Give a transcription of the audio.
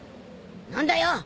何だよ。